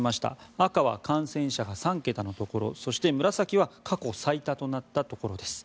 赤は感染者が３桁のところそして、紫は過去最多となったところです。